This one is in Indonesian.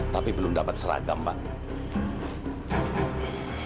tapi belum dapat seragam pak